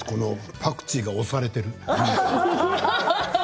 パクチーが押されている。